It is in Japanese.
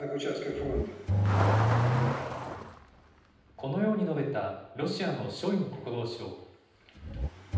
このように述べたロシアのショイグ国防相。